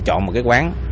chọn một cái quán